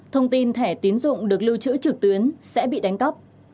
thông tin thẻ tiến dụng được lưu trữ trực tuyến sẽ bị đánh cắp